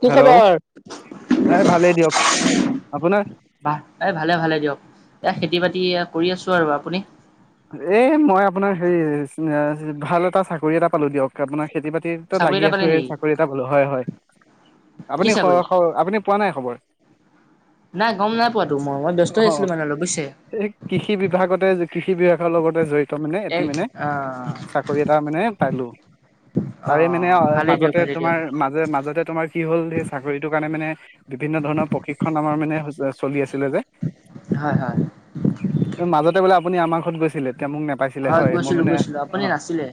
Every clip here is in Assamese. কি হেল্ল' খবৰ, এই ভালেই দিয়ক আপোনাৰ বা এই ভালে- ভালে দিয়ক, এ খেতি বাতি এয়া কৰি আছো আৰু আপুনি? এ মই আপোনাৰ হেৰি আ ভাল এটা চাকৰি এটা পালো দিয়ক আপোনাৰ খেতি বাতি -তো চাকৰি লাগি এটা আছো পালে এই নেকি? চাকৰি এটা বলো হয় হয়, কি আপুনি চাকৰি? খ-খ আপুনি পোৱা নাই খবৰ? নাই গম নাই পোৱাতো মই মই ব্যস্ত হৈ আছিলো অ মানে অলপ বুজিছে। এই কৃষি বিভাগতে কৃষি বিভাগৰ লগতে জৰি ত' মানে এটি এই মানে আহ চাকৰি এটা মানে পালো। তাৰে মানে অ' ভালেই দিয়ক মাজতে ভালেই দিয়ক তোমাৰ মাজে মাজতে তোমাৰ কি হ'ল সেই চাকৰিটোৰ কাৰণে মানে বিভিন্ন ধৰণৰ প্ৰশিক্ষন আমাৰ মানে চলি আছিলে যে, হয় হয়। গৈছি -ছিলে তেতিয়া মোক নোপাইছিলে হয় মই গৈছিলো মানে গৈছিলো অ আপুনি নাছিলে।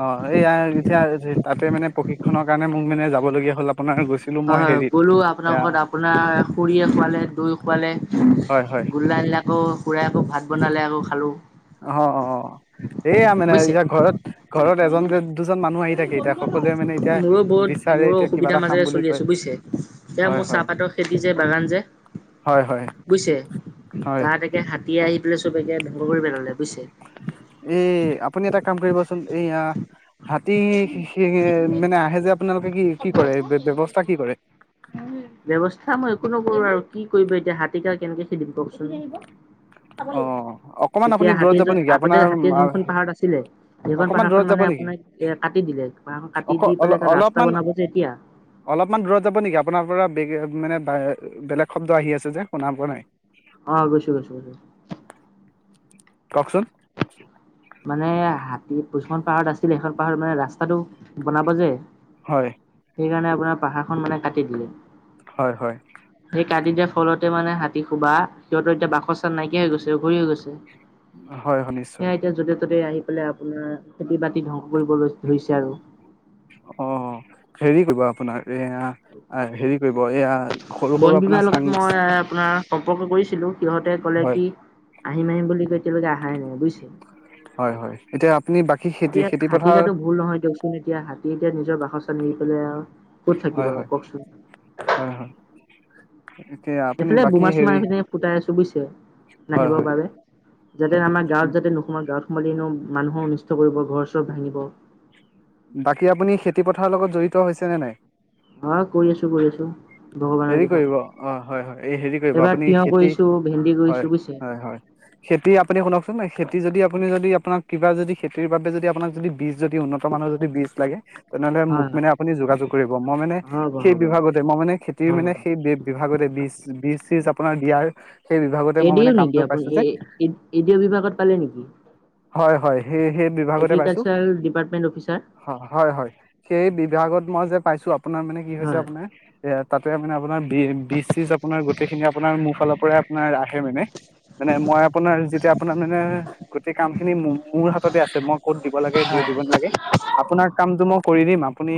অ এইয়া এতিয়া তাতে মানে প্ৰশিক্ষণৰ কাৰণে মোক মানে যাবলগীয়া হ'ল। আপোনাৰ গৈছিলো হয় মই হয় হেৰিত গ'লো আপোনাৰ এয়া ঘৰত আপোনাৰ খুৰীয়ে খুৱালে দৈ খুৱালে হয় হয় গোল্লা এইবিলাক আকৌ খুৰাই আকৌ ভাত বনালে আকৌ খালোঁ। অ অ এইয়া মানে বুজিছে। এতিয়া ঘৰত ঘৰত এজন যে দুজন মানুহ আহি থাকে এতিয়া সকলোৱে মানে এতিয়া মোৰো বহুত বিচাৰে মোৰো এতিয়া কিবা অসুবিধাৰ এটা খাম মাজেৰে বুলি চলি কয় আছোঁ বুইছে। এয়া হয় মোৰ হয় চাহপাতৰ খেতি যে বাগান যে হয় হয় বুইছে হয় তাত এতিয়া হাতী আহি পেলাই চব ধংস কৰি পেলালে। বুজিছে। এ আপুনি এটা কাম কৰিবচোন এয়া হাতী সেই মানে আহে যে আপোনালোকে কি কৰে ব্যৱস্থা কি কৰে ব্যৱস্থা মই একো নকৰো আৰু কি কৰিব এতিয়া হাতীক আৰু কেনেকে খেদিম কওকচোন। অ অকমান আপুনি তেতিয়া দূৰত হাতীয়ে যাব যত নেকি আগতে আপোনাৰ হাতীয়ে যোনখন পাহাৰ আছিলে সেইখন অকমান দূৰত পাহাৰখন যাব মানে নেকি আপোনাক এ কাটি দিলে পাহাৰ খন কাটি অক দি অল পেলাই তাত ৰাস্তা অলপমান বনাব যে এতিয়া অলপমান দূৰত যাব নিকি আপোনাৰ পৰা বেগ মানে বেলেগ শব্দ আহি আছে যে শুনা পোৱা নাই। অ গৈছোঁ গৈছোঁ গৈছোঁ কওকচোন। মানে হাতী যোনখন পাহাৰত আছিলে সেইখন পাহাৰত মানে ৰাস্তাটো বনাব যে, হয়। সেইকাৰণে আপোনাৰ পাহাৰখন মানে কাটি দিলে। হয় হয়। সেই কাটি দিয়াৰ ফলতে মানে হাতী শুবা সিহঁতৰ এতিয়া বাসস্হান নাইকিয়া হৈ গৈছে অঘৰী হৈ গৈছে। হয় হয়, নিশ্চয়। য'তে-ত'তে আহি পেলাই আপোনাৰ খেতি-বাতি ধ্বংস কৰিব লৈ ধৰিছে আৰু। অ', হেৰি কৰিবা আপোনাৰ এয়া, হেৰি কৰিব এয়া সৰু সৰু বন বিভা আপোনাৰ চাং লগত মই আপোনাৰ সম্পৰ্ক কৰিছিলোঁ, সিহঁতে কলে হয় কি আহিম আহিম বুলি কই এতিয়ালৈকে আহাই নাই বুজিছ হয় হয় এতিয়া আপুনি বাকী খেতি ইয়াত খেতি হাতী পথাৰ গাটো ভুল নহয় দিয়কচোন এতিয়া হাতী এতিয়া নিজৰ বাস ফচল হেৰি কৰিলে আৰু ক'ত থাকিব হয় আৰু হয় কওঁকচোন। হয় হয় এতিয়া আপুনি এইফালে বাকী বোমা-চোমা হেৰি এফিনে ফুটাই আছো বুজিছে হয় নাহিবৰ হয় বাবে, যাতে হয় আমাৰ গাঁৱত যাতে নোসোমাওক, গাঁৱত সোমালে ন মানুহৰ অনিষ্ট কৰিব, ঘৰ-চৰ ভাঙিব। বাকী আপুনি খেতি-পথাৰৰ লগত জড়িত হৈছে নে নাই? অ', কৰি আছো, কৰি আছো। ভগৱানৰ হেৰি কৃপাত। কৰিব, অ', হয় হয়। এই হেৰি কৰিব এইবাৰ আপুনি তিয়হ খেতি, কৰিছো ভেন্দি হয়, কৰিছো বুজিছে হয় হয়, খেতি আপুনি শুনকচোন, এই খেত খেতি যদি, আপুনি যদি আপোনাক কিবা যদি খেতিৰ বাবে যদি আপোনাক যদি বীজ যদি উন্নত মানৰ যদি বীজ লাগে, তেনেহ'লে মোক হয় হয়। মানে আপুনি যোগাযোগ কৰিব মই মানে হ'ব সেই হ'ব বিভাগতে, মই মানে খেত মি মানে হ'ব সেই বি-বিভাগতে বীজ, বীজ-চিজ আপোনাৰ দিয়াৰ সেই বিভাগতে এ মই ডি মানে অ' নেকি কামটো আপুনি পাইছোঁ যে। এ এ ডি অ' বিভাগত পালে নেকি? হয়, হয়। সেই, সেই বিভাগতে পাইছো, এগ্ৰিকালচাৰ ডিপাৰ্টমেণ্ট অফিচাৰ হ-হয়, হয়। সেই বিভাগত মই যে পাইছোঁ আপ আপোনাৰ মানে কি হৈছে, হয়। আপোনাৰ ইয়াত তে মানে আপোনাৰ বি, বীজ-চিজ আপোনাৰ গোটেই খিনি আপোনাৰ মোৰ ফালৰ পৰাই আপোনাৰ আহে মানে, মানে মই আপোনাৰ যেতিয়া আপোনাৰ মানে গোটেই কাম খিনি মো-মোৰ হাততে আছে, মই ক'ত দিব লাগে, যি হয় দিব নালাগে, আপোনাৰ কামটো মোক কৰি দিম, আপুনি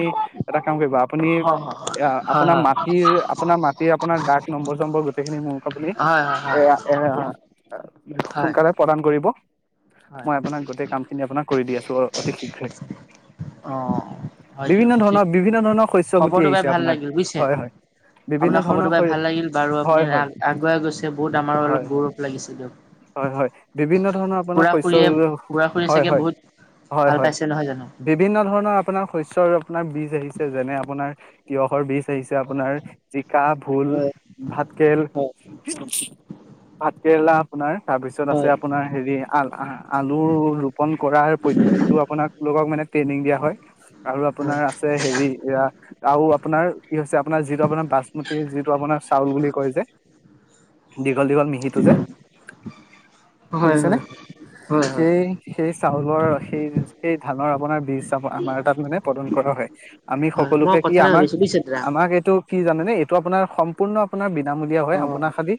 এটা কাম কৰিব, আপ আপুনি, হয় হয় আ হয় হয় আপোনাৰ মাট টিৰ আপোনাৰ মাটিৰ আপোনাৰ দাগ নম্বৰ-চম্বৰ গোটেইখিনি মোক আপুনি, হয় এয়া, এয়া অ'। হয় হয় সোনকালে প্ৰদান কৰিব। হয়। মই আপোনাক গোটেই কাম খিনি আপোনাক কৰি দি আছো, অ-অতি শীঘ্ৰে। অঁ হয় দিয়ক বিভিন্ন ঠিক ধৰণৰ, বিভিন্ন ধৰণৰ শস্য গুটি খবৰটো পাই আহিছে ভাল আপোনাৰ লাগিল বুজিছে হয়, হয়। বিভিন্ন আপোনাৰ ধৰণৰ খবৰটো পাই হয় ভাল লাগিল বাৰু, আপুনি হয় হয় আগুৱাই গৈছে বহুত! আমাৰো হয় অলপ হয় গৌৰৱ লাগিছে হয় হয় দিয়ক। বিভিন্ন ধৰণৰ আপোনাৰ খুৰা শস্য খুৰীয়ে ৰুলেও [unintelligible] খুৰা খুৰীয়ে হয়, চাগে হয়, বহুত হয়, ভাল হয়। পাইছে নহয় জানো বিভিন্ন ধৰণৰ আপোনাৰ শস্য আপোনাৰ বীজ আহিছে যেনে, আপোনাৰ তিয়ঁহৰ বীজ আহিছে আ পোনাৰ যি [unintelligible] কা, ভোল, হয় ভাতকেৰেলা। ভাতকেৰেলা আপোনাৰ তাৰপিছত আছে হয় হয় আপোনাৰ হেৰি, আল আলুৰ ৰোপণ কৰাৰ পদ্ধতিটো আপোনালোকক মানে ট্ৰেইনিং দিয়া হয় আৰু হয় আপোনাৰ আছে হেৰি এয়া আৰু আপোনাৰ কি হৈছে আপোনাৰ যিটো আপোনাৰ বাচমতি, যিটো আপোনাৰ চাউল বুলি কয় যে। [unintelligible] দীঘল-দীঘল মিহিটো যে, হয় হয় শুনিছেনে? হয় হয় হয়। সেই-সেই চাউলৰ সেই-সেই ধানৰ আপোনাৰ বীজ [unintelligible] আমাৰ তাত মানে প্ৰদান কৰা হয় আমি হয় মই সকলোকে কি কথা এটা ভাবিছো বুজিছে দাদা। আমাক-আমাক এই কি জানেনে, এইটো আপোনাৰ সম্পূৰ্ণ আপোনাৰ বিনামূলীয়া হয়। আপোনাৰ খালি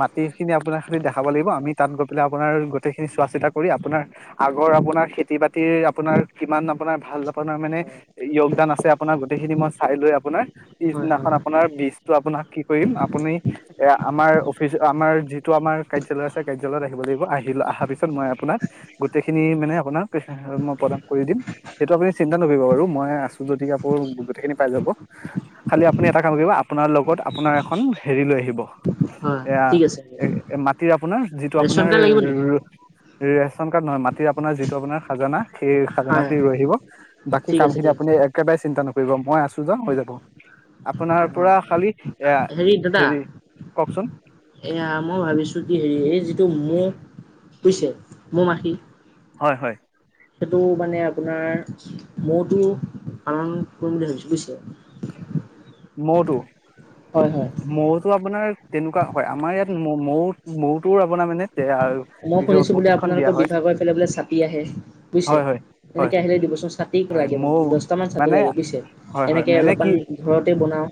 মাটিখিনি আপোনাক খালি দেখাব লাগিব, আমি তাত গৈ পেলাই আপোনাৰ গোটেইখিনি চোৱা-চিতা কৰি আপোনাৰ আগৰ আপোনাৰ খেতি-বাতিৰ আপোনাৰ কিমান আপোনাৰ ভাল আপোনাৰ মানে য়োগদান আছে, আপোনাৰ গোটেইখিনি মই চাই লৈ আপোনাৰ হয় হয় হয় পিছদিনাখন আপোনাৰ বীজতটো আপোনাক কি কৰিম আপুনি এ আমাৰ অফিচ আমাৰ যিটো আমাৰ কাৰ্যালয় আছে কাৰ্যালয়ত আহিব লাগিব, আহি অহা পিছত মই আপোনাক গোটেইখিনি মানে আপোনাক মই প্ৰদান কৰি দিম সেইটো আপুনি চিন্তা নকৰিব বাৰু মই আছোঁ যদি আপোৰ গোটেইখিনি পাই যাব। খালি আপুনি এটা কাম কৰিব আপোনাৰ লগত আপোনাৰ এখন হেৰি লৈ আহিব। হয় এয়া ঠিক আছে এ মাটিৰ আপোনাৰ যিটো ৰেচন আপোনাৰ কাৰ্ড লাগিব নেকি? ৰেচন কাৰ্ড নহয় মাত আপোনাৰ যিটো আপোনাৰ খাজানা সেই খাজানা হয় টি ৰৈ আহিব বাকী ঠিক কাম আছে খিনি ঠিক আপুনি আছে একেবাৰে চিন্তা নকৰ কৰিব মই আছোঁ যা হৈ যাব। আপোনাৰ অ পৰা খালি এয়া হেৰি, কওকচোন। তুমু বুজিছে মৌ মাখি। হয় হয়। সেইটো মানে আপোনাৰ মৌতো পালন কৰিম বুলি ভাবিছোঁ বুজিছে। মৌটো। হয় হয় মৌতটো আপোনাৰ তেনেকুৱা হয় আমাৰ ইয়াত ম-মৌ মৌটোৰ আপ মই শুনিছো বোলে দিয়া আপোনালোকৰ হয় বিভাগৰ পেলে বোলে চাপি আহে বুজিছে, হয় হয় হয় এনেকে আহিলে দিবচোন চা টিক হয় লাগে মৌ দহটামান চাট মানে লাগে বুজিছে? হয় হয় এনেকে মানে কি অলপমান ঘৰতে বনাওঁ।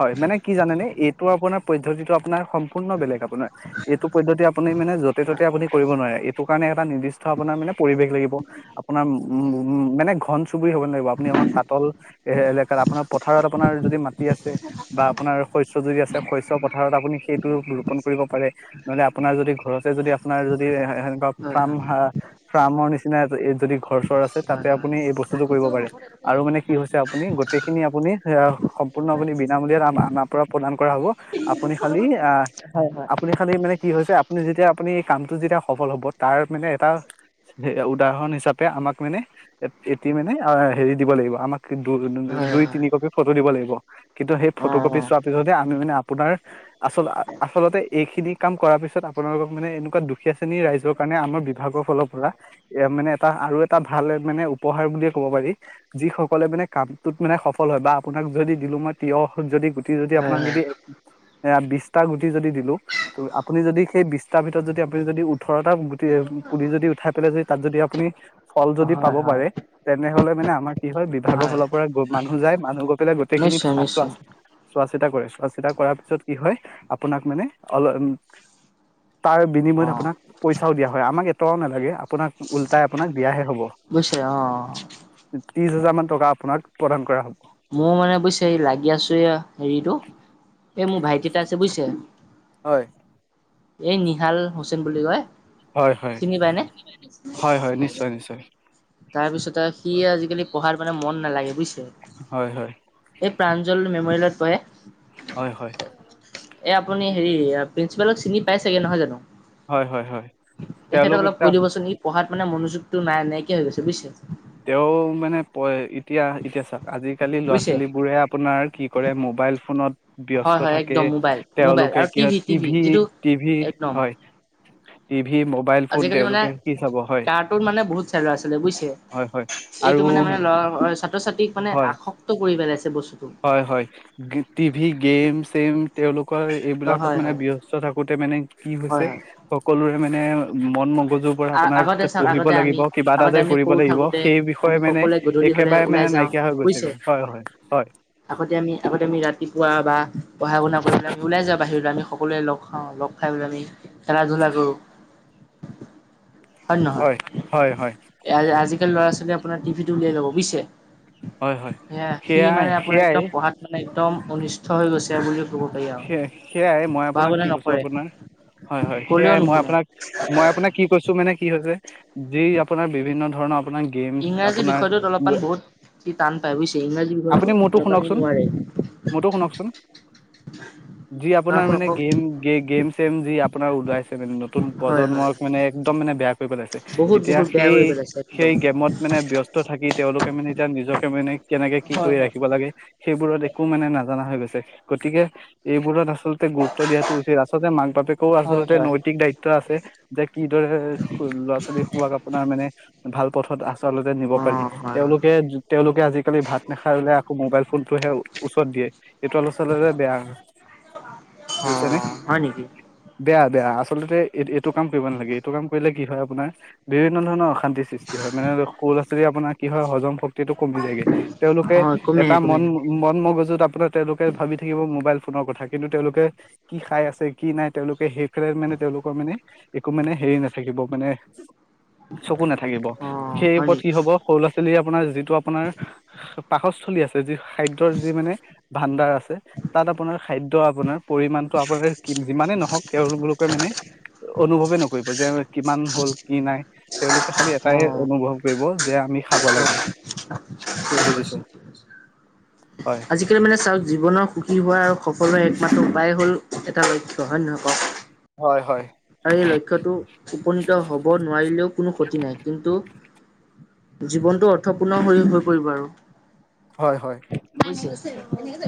হয়, মানে কি জানে নে, এইটো আপোনাৰ পদ্ধতিটো [unintelligible] সম্পূৰ্ণ বেলেগ আপোনাৰ, এইটো পদ্ধতি আপুনি মানে য'তে ত'তে হয় আপুনি কৰিব নোৱাৰে, এইটো কাৰণে এটা নিৰ্দিষ্ট আপোনাৰ মানে পৰিৱেশ লাগিব, আপোনাৰ উম, উম, মানে ঘন চুবুৰৰি হ'ব লাগিব, আপুনি এখন পাতল এ এলেকাত আপোনাৰ পথাৰত আপোনাৰ যদি মাটি আছে বা আপোনাৰ শস্য যদি আছে, শস্য পথাৰত আপুনি সেইটো ৰোপন কৰিব পাৰে, নহলে আপোনাৰ যদি, ঘৰতে যদি, আপোনাৰ যদি এহ এনেকুৱা হয় ফ্ৰাম হয় হা ফ্ৰামৰ নিচিনা এ যদি ঘৰ চৰ আছে, তাতে হয় হয়। আপুনি এই বস্তুতটো কৰিব পাৰে, আৰু মানে কি সাৰ হৈছে দিওঁ। আপুনি গোটেইখিনি আপুনি সেয়া সম্পূৰ্ণ বুলি বিনামূলীয়াত আ আমাৰ পৰা প্ৰদান কৰা হব, আপুনি খালি আহ হয় হয় আপুনি খালি মানে কি হৈছে আপুনি যেতিয়া আপুনি এই কামটো যেতিয়া সফল হ'ব, তাৰ মানে এটা উদাহৰণ হিচ হিচাপে, আমাক মানে ভেটি মানে আ হেৰি দিব লাগিব, আমাক দু দু হয় দুই হয় তিনি কপি ফটো দিব লাগিব। ব, কিন্তু সেই অ ফটো কপি চোৱাৰ পিছতহে, আমি মানে আ আপোনাৰ আচল আচলতে, এইখিনিক কাম কৰাৰ পিছত, আপোনালোকক মানে এনেকুৱা দুখীয়া শ্ৰেণী ৰাইজৰ কাৰণে, আমাৰ বিভাগৰ ফালৰ পৰা এ মানে আ আৰু এটা ভাল মানে উপহাৰ বুলিয়ে ক'ব পাৰি, যিসকলে মানে কামটোত মানে সফল হয় বা আপোনাক যদি দিলো মই তিয়হ যদি গোটেই যদি, হয় আপোনাক যদি এয়া বিছটা গু যদি দিলো, তো আপুনি যদি সেই বিচ তাৰ ভিতৰত যদি, আপুনি যদি উট ওঠৰটা গুটি, পুলি যদি উঠাই পেলাই যদি তাত যদি আপুনি ফল যদি পাব হয় হয় পাৰে, তেনেহলে মানে আমাৰ কি হয়, বিভাগৰ ফালৰ পৰা গৈ মানুহ যায়, মানুহ গৈ পেলাই গোটেইখিনি নিশ্চয় চাছ নিশ্চয় চোৱা চিতা কৰিছো। চোৱা চিতা কৰাৰ পিছত কি হয়, আপোনাক মানে অল উম। তাৰ অ বিনিময়ত আপোনাক পইচাও দিয়া হয়, আমাক ত' নালাগে। আপোনাক, উলটাই আপোনাক দিয়াহে হ'ব, বুজিছে অ দি হেজাৰমান টকা আপোনাক প্ৰদান কৰা, হ মোৰ মানে বুজিছে এই লাগি আছো এয়া হেৰিটো এ মোৰ ভাইটি এটা আছে বুইছে হয়। এই নিহাল হুছেইন বুলি কয়। হয় হয় চিনি পায়নে? হয় হয় নিশ্চয় নিশ্চয় তাৰ পিছতে সি আজিকালি পঢ়াৰ মানে মন নালাগে বুইছ ছে। হয় হয় এই প্ৰাঞ্জল মেমৰিয়েলত পঢ়ে। হয়, হয়। এ আপুনি হেৰি প্ৰিন্ঞ্চিপালক চিনি পাই চাগে নহয় জানো? হয়, হয়, হয়। তেখেতক তেওঁলোক অলপ এতিয়া কৈ দিবচোন ই পঢ়াত মানে মনোযোগটো নাই, নাইকিয়া হৈ গৈছে বুজিছে। তেওঁ মানে প, এতিয়া-এতিয়া চাওক আজিকালি বুজিছে ল'ৰা-ছোৱালীবোৰে আপোনাৰ কি কৰে মোবাইল ফোনত ব্যস্ত হয় হয় থাকে, একদম মোবাইল মোবাইল তেওঁলোকে আৰু কিয় টিভি টিভি যিটো টিভি-টিভি একদম হয়, টিভি, মোবাইল ফোন আজিকালি মানে তেওঁলোকে কি চাব হয়। কাৰ্টুন মানে বহুত চাই ল'ৰা ছোৱালীয়ে বুজিছে হয় হয় আৰু এইটো মানে-মানে ল'ৰা, ছাত্ৰ-ছাত্ৰীক মানে হয় আসক্ত কৰি পেলাইছে। এ বস্ হয়, হয়। গে-টিভি গেম-চেম তেওঁলোকৰ অ এইবিলাকত হয় মানে হয় ব্যস্ত থাকোঁতে মানে কি হয় হৈছে, হয় সকলোৰ মানে অ' মন-মগজুৰ পৰা আপোনাৰ আগতে চাওক পঢ়িব আগতে আমি লাগিব, কিবা এটা আগতে যে আমি কৰিব সৰু লাগিব। থাকোতে সেই আমি বিষয়ে মানে সকলোৱে গধূলি হলে একেবাৰে ওলাই মানে যাওঁ নাইকিয়া হৈ বুজিছে গৈছেগৈ। হয়, হয়, হয়। আগতে আমি, আগতে আমি ৰাতিপুৱা বা পঢ়-শুনালে কৰি পেলাই আমি ওলাই যাও বাহিৰলৈ। আমি সকলোৱে লগ খাও, লগ খাই পেলাই আমি খেলা-ধূলা কৰো। হয়নে নহয়? হয় হয় হয় এ আ-আজি ল'ৰা-ছোৱালীয়ে আপোনাৰ টিভি উলিয়াই ল'ব বুইছে। হয় হয় সেয়া সি সেয়াই মানে আপোনাৰ সেয়াই একদম পঢ়াত মানে একদম অনিষ্ঠ হৈ গৈছে বুলি সেয়-সেয়াই মই আপোনাক কি কৈছো, নকৰে, আপোনাৰ হয়, হয়। ক'লেও সেয়াই মই নুশুনে। আপোনাক মই আপোনাক কি কৈছো, মানে কি হৈছে যি আপোনাৰ বিভিন্ন ধৰণৰ আপোনাৰ গেমছ ইংৰাজী আপোনাৰ বিষয়টোত অলপমান বহুত সি টান পায় বুজছে, ইংৰাজী বিষয়টো আপুনি মোৰতো অলপমান সি শুনকচোন নোৱাৰে। মোৰতো শুনকচোন যি আপোনাৰ মানে গেম গে গেম চেম যি আপোনাৰ ওলাইছে, মানে নতুন হয় হয়, প্ৰজন্মক মানে একদম মানে বেয়া কৰি পেলাইছে, বহুত এতিয়া বহুত বেয়া সেই কৰি পেলাইছে একদম। সেই গেমত মানে ব্যস্ত থাকি তেওঁলোক [unintelligible] এতিয়া নিজকেে কেনেকে কি হয় কৰি হয়, ৰাখিব লাগে সেইবোৰত একো মানে নাজানা হৈ গৈছে। গতিকে এইবোৰত আচলতে গুৰুত্ব দিয়াটো উচিত। আচলতে মাক বাপেকেও হয় আচলতে হয়। নৈতিক দায়িত্ব আছে, যে কিদৰে ল'ৰা-ছোৱালী খুৱাক আপোনাৰ মানে ভাল পথত, আছে। চলতে নিব পাৰি। অ' হয় হয়, তেওঁলোকে-তেওঁলোকে আজিকালি ভাত নাখাইলে আকৌ মোবাইল ফোনতটোহে ওচৰত দিয়ে। এইটো আলচাললে বেয়া হয়। অ, হয় নেকি? বেয়া বেয়া আচলতে এই এইটো কাম কৰিব নালাগে, এইটো কাম কৰিলে কি হয় আপোনাৰ দু বিভিন্ন ধৰণৰ অশান্তিৰ সৃষ্টি হয়, মানে সৰু লৰা-ছোৱালী আপোনাৰ কি হয়, হজম শ [unintelligible] টো কমি যায়গে। তেওঁলোকে অ' কমি এটা আহে কমি আহে। মন-মন মগজুত আপোনাৰ তেওঁলোকে ভাবি থাকিব মোবাইল লৰ কথা কিন্তু, তেওঁলোকে কি খাই আছে, কি নাই, তেওঁলোকে সেই [unintelligible] মানে তেওঁলোকৰ মানে একো মানে হেৰি নাথাকিব মানে চকু নাথাকিব। অ' সেই হয় ওপৰত কি নেকি? হ'ব সৰু ল'ৰা-ছোৱালী [inaudible] তো আপোনাৰ পাকস্থলী আছে যি খাদ্যৰ যি মানে ভাণ্ডাৰ আছে, তাত আপোনাৰ খাদ্য, আপোনাৰ পৰিমাণটো আপোনাৰ যিমানেই নহওক- তেওঁললোক [unintelligible] মানে অনুভৱেই নকৰিব, যে কিমান হ'ল, কি নাই তেওঁলোকে খালি এটাই অ' অনুভৱ কৰিব, যে আমি খাব লাগে, হয়। ঠিক বুজিছে। আছে। হয় আজিকালি মানে চাওক জীৱনৰ সুখী হোৱাৰো সকলোৰে একমত্ৰ উপায় হ'ল ও এটা লক্ষ্য, হয় নহয়, কওক। হয়, হয়। আৰু এই লক্ষ্যটো উপনীত হ'ব নোৱাৰিলেও কোনো ক্ষতি নাই, কিন্তু জীৱনটো অৰ্থপূৰ্ণ হৈ, হৈ পৰিব আৰু। হয়, হয়। [inaudible]